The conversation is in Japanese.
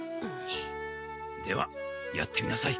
ではやってみなさい。